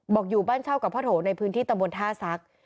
อยู่บ้านเช่ากับพ่อโถในพื้นที่ตำบลท่าซัก